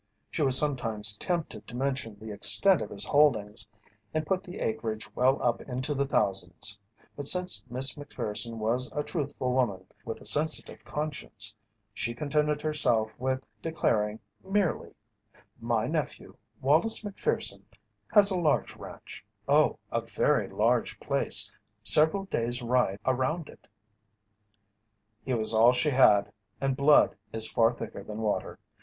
She was sometimes tempted to mention the extent of his holdings, and put the acreage well up into the thousands, but since Miss Macpherson was a truthful woman with a sensitive conscience, she contented herself with declaring, merely: "My nephew, Wallace Macpherson, has a large ranch, oh, a very large place several days' ride around it." He was all she had, and blood is far thicker than water.